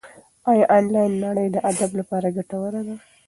ایا انلاین نړۍ د ادب لپاره ګټوره ده؟